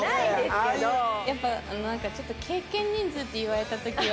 やっぱなんかちょっと「経験人数」って言われた時は。